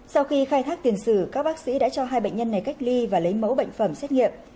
sau khi khai thác tiền sử các bác sĩ đã cho hai bệnh nhân này cách ly và lấy mẫu bệnh phẩm xét nghiệm